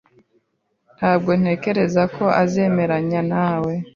Ntabwo ntekereza ko azemeranya nawe